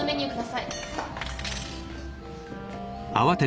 はい。